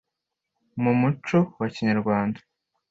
mu muco wa kinyarwanda,